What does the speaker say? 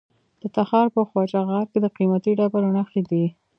د تخار په خواجه غار کې د قیمتي ډبرو نښې دي.